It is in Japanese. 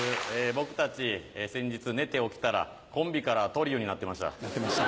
僕たち先日寝て起きたらコンビからトリオになってました。